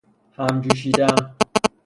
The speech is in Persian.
همجوشیدن